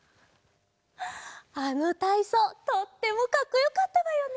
あのたいそうとってもかっこよかったのよね！